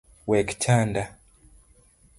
Wek chanda